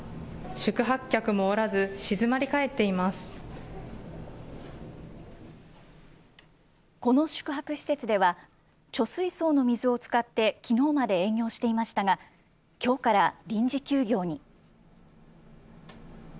宿泊客もおらず、静まり返っていこの宿泊施設では、貯水槽の水を使ってきのうまで営業していましたが、きょうから臨時休業に。